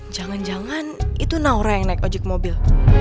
jangan jangan itu naura yang naik ojek mobil